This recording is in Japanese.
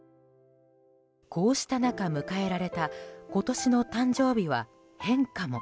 こうした中、迎えられた今年の誕生日は、変化も。